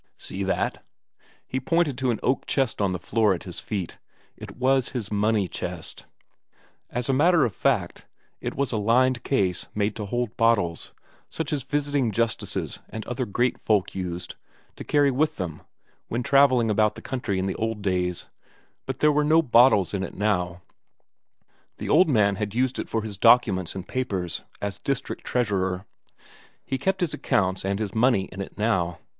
"See that?" He pointed to an oak chest on the floor at his feet. It was his money chest. As a matter of fact, it was a lined case made to hold bottles, such as visiting justices and other great folk used to carry with them when travelling about the country in the old days, but there were no bottles in it now; the old man had used it for his documents and papers as district treasurer; he kept his accounts and his money in it now.